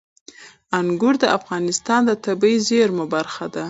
انګور د افغانستان د طبیعي زیرمو برخه ده.